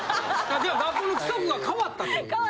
じゃあ学校の規則が変わったってことですか？